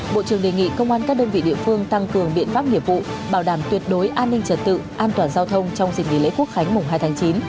bộ trưởng đề nghị công an các đơn vị địa phương tăng cường biện pháp nghiệp vụ bảo đảm tuyệt đối an ninh trật tự an toàn giao thông trong dịp nghỉ lễ quốc khánh mùng hai tháng chín